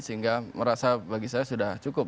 sehingga merasa bagi saya sudah cukup